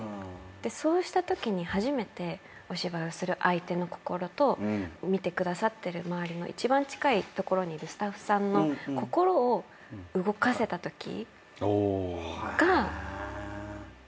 そうしたときに初めてお芝居をする相手の心と見てくださってる周りの一番近い所にいるスタッフさんの心を動かせたときがホントに何か。